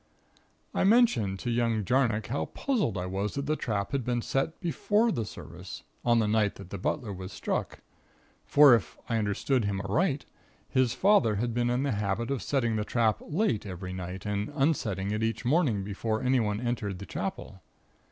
"I mentioned to young Jarnock how puzzled I was that the trap had been set before the service, on the night that the butler was struck; for, if I understood him aright, his father had been in the habit of setting the trap late every night and unsetting it each morning before anyone entered the Chapel.